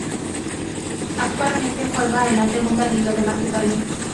Actualmente juega en la Segunda Liga de Macedonia.